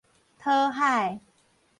討海